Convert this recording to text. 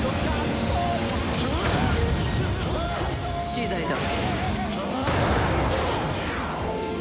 死罪だ。